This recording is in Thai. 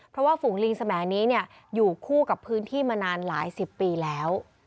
เพราะว่าฝูงลิงสมัยนี้อยู่คู่กับพื้นที่มานานหลายสิบปีแล้ว